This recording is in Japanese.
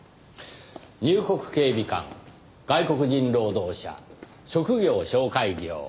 入国警備官外国人労働者職業紹介業。